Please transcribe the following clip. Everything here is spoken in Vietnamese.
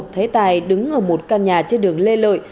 thấy tài đứng ở một căn nhà trên đường lê lợi